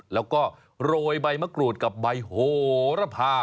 แล้วก็โรยใบมะกรูดกับใบโหระพา